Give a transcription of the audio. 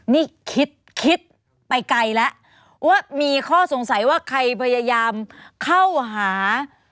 นี่คิดคิดไปไกลแล้วว่ามีข้อสงสัยว่าใครพยายามเข้าหา